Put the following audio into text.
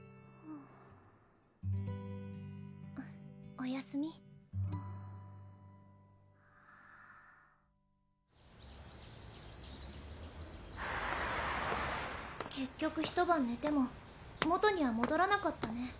おやすみ結局一晩ねても元にはもどらなかったね